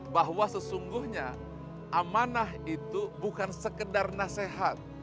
bahwa sesungguhnya amanah itu bukan sekedar nasihat